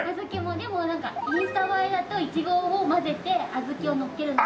でもなんかインスタ映えだとイチゴを混ぜて小豆をのっけるのが。